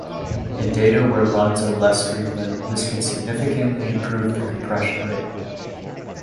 In data where runs are less frequent, this can significantly improve the compression rate.